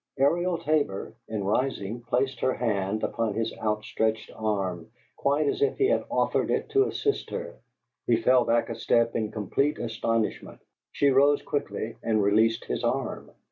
Ariel Tabor, in rising, placed her hand upon his out stretched arm, quite as if he had offered it to assist her; he fell back a step in complete astonishment; she rose quickly, and released his arm.